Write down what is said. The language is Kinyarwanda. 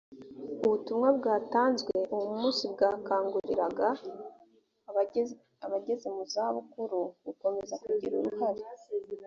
ubutumwa bwatanzwe uwo munsi bwakanguriraga abageze mu zabukuru gukomeza kugira uruhare